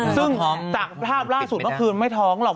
ซึ่งจากภาพล่าสุดเมื่อคืนไม่ท้องหรอก